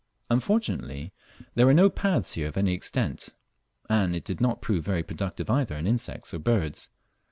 Unfortunately there were no paths here of any extent, and it did not prove very productive either in insects or birds.